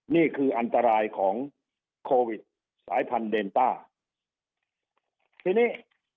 นี่คืออันตรายของโควิดสายพันธุเดนต้าทีนี้